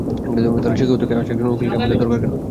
তাহলে শিকাগো থেকে আসা একজন উকিলকে আমাদের দরকার কেন?